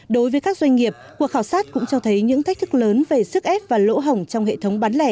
đối với các doanh nghiệp cuộc khảo sát cũng cho thấy những thách thức lớn về sức ép và lỗ hỏng trong hệ thống bán lẻ